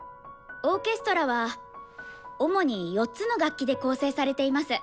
オーケストラは主に４つの楽器で構成されています。